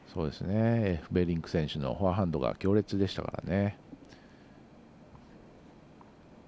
エフベリンク選手のフォアハンドが強烈でしたね。